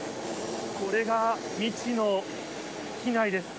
これが、未知の機内です。